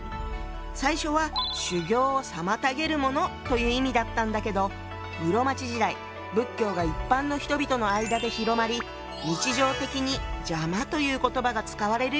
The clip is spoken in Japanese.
最初は「修行を妨げるもの」という意味だったんだけど室町時代仏教が一般の人々の間で広まり日常的に「邪魔」という言葉が使われるようになったの。